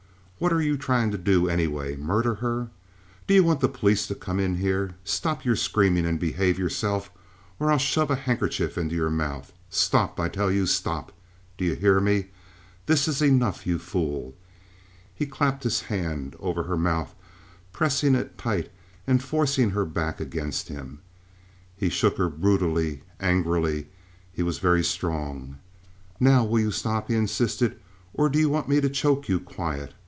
"What are you trying to do, anyway—murder her? Do you want the police to come in here? Stop your screaming and behave yourself, or I'll shove a handkerchief in your mouth! Stop, I tell you! Stop! Do you hear me? This is enough, you fool!" He clapped his hand over her mouth, pressing it tight and forcing her back against him. He shook her brutally, angrily. He was very strong. "Now will you stop," he insisted, "or do you want me to choke you quiet?